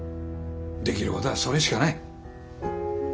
できることはそれしかない。